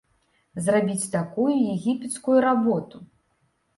Зрабіць такую егіпецкую работу!